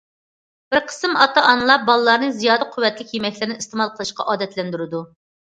بىر قىسىم ئاتا- ئانىلار بالىلارنى زىيادە قۇۋۋەتلىك يېمەكلىكلەرنى ئىستېمال قىلىشقا ئادەتلەندۈرىدۇ.